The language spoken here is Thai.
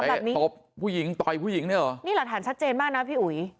แต่ตบผู้หญิงต่อยผู้หญิงเนี่ยเหรอนี่หลักฐานชัดเจนมากนะพี่อุ๋ย